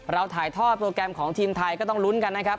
ถ่ายทอดโปรแกรมของทีมไทยก็ต้องลุ้นกันนะครับ